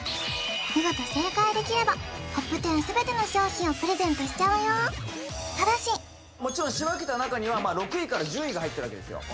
見事正解できればＴＯＰ１０全ての商品をプレゼントしちゃうよただしもちろん仕分けた中には６位から１０位が入ってるわけですよ